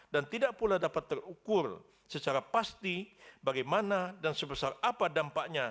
dan tidak pula dapat terukur secara pasti bagaimana dan sebesar apa dampaknya